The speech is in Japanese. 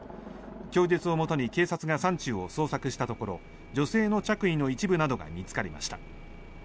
供述をもとに警察が山中を捜索したところ女性の着衣の一部などが見つかりました。